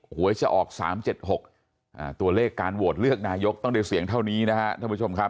หวยจะออก๓๗๖ตัวเลขการโหวตเลือกนายกต้องได้เสียงเท่านี้นะครับท่านผู้ชมครับ